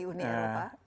keluar dari uni eropa